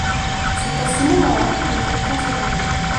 C'est à ce moment-là que le volcan se réveille.